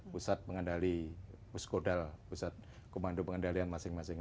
pusat pengendali puskodal pusat komando pengendalian masing masing